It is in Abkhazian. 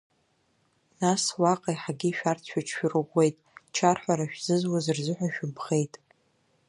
Нас уаҟа еҳагьы шәарҭ шәыҽшәырӷәӷәеит, чарҳәара шәзызуаз рзыҳәа шәыбӷеит.